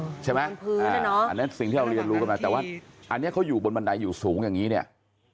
เออใช่ไหมอันนี้คือสิ่งเราเรียนรู้กันมา